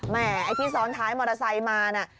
ไอ้ที่ซ้อนท้ายมอเตอร์ไซค์มานะ